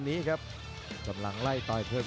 ตีอัดเข้าไปสองที